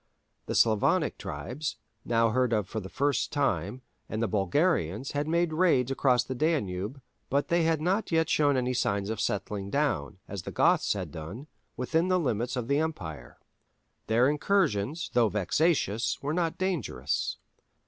The Slavonic tribes, now heard of for the first time, and the Bulgarians had made raids across the Danube, but they had not yet shown any signs of settling down—as the Goths had done—within the limits of the empire. Their incursions, though vexatious, were not dangerous.